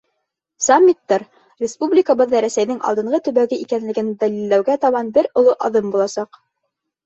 Саммиттар республикабыҙҙы Рәсәйҙең алдынғы төбәге икәнлеген дәлилләүгә табан бер оло аҙым буласаҡ.